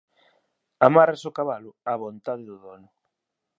Amárrase o cabalo á vontade do dono.